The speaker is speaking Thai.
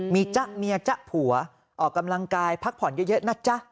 มีจ๊ะเมียจ๊ะผัวออกกำลังกายพักผ่อนเยอะนะจ๊ะ